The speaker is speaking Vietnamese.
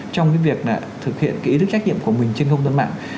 trong cái việc là thực hiện cái ý thức trách nhiệm của mình trên không gian mạng